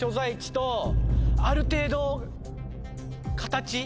とある程度形。